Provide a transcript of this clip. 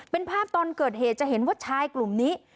เป็นภาพตอนเกิดเหตุจะเห็นว่าชายกลุ่มนี้